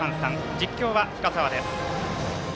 実況は深澤です。